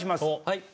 はい。